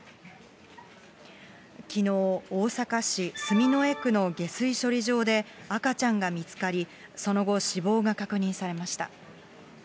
きのう、大阪市住之江区の下水処理場で赤ちゃんが見つかり、その後、死亡が確認されました。